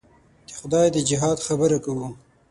د خدای د جهاد خبره کوو.